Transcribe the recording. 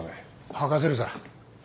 吐かせるさ。